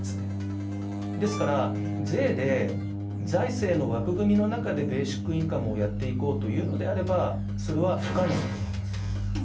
ですから税で財政の枠組みの中でベーシックインカムをやっていこうというのであればそれは不可能だと思います。